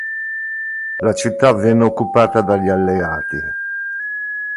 La città venne occupata dagli alleati.